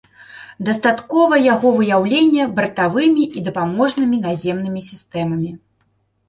Дастаткова яго выяўлення бартавымі і дапаможнымі наземнымі сістэмамі.